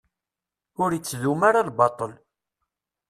Ur ittdum ara lbaṭel.